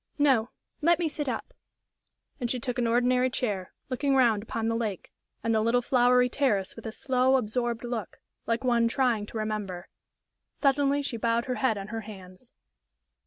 "No; let me sit up." And she took an ordinary chair, looking round upon the lake and the little flowery terrace with a slow, absorbed look, like one trying to remember. Suddenly she bowed her head on her hands.